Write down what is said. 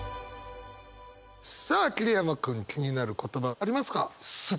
さあ桐山君気になる言葉ありますか？